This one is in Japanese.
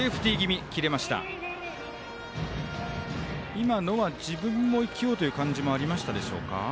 今のは自分も生きようという感じもありましたでしょうか。